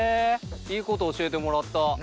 いいこと教えてもらった。